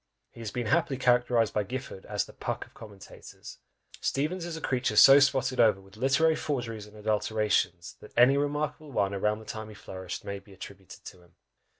He has been happily characterised by Gifford as "the Puck of Commentators!" Steevens is a creature so spotted over with literary forgeries and adulterations, that any remarkable one about the time he flourished may be attributed to him.